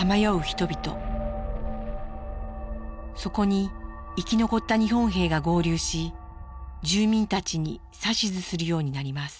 そこに生き残った日本兵が合流し住民たちに指図するようになります。